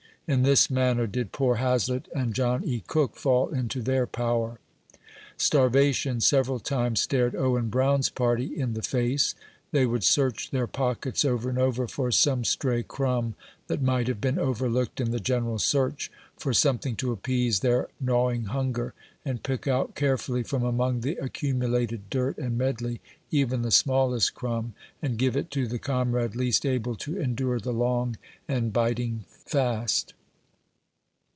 In this manner did poor Hazlett and John E. Cook fall into their power. Starvation several times stared Owen Brown's party in the face. They would search their pockets over and over for some stray crumb that might have been overlooked in the general, search, for something to appease their gnawing hun ger, and pick out carefully, from among the accumulated dirt and medley, even the smallest crumb, and give it to the com rade least able to endure the long and biting fast.